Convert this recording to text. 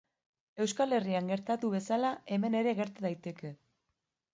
Euskal Herrian gertatu bezala, hemen ere gerta daiteke.